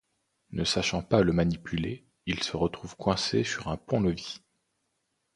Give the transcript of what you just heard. Ne sachant pas le manipuler, il se retrouve coincé sur un pont-levis.